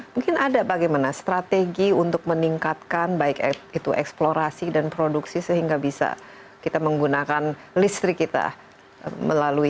mungkin ada bagaimana strategi untuk meningkatkan baik itu eksplorasi dan produksi sehingga bisa kita menggunakan listrik kita melalui